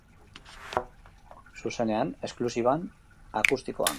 Zuzenean, esklusiban, akustikoan.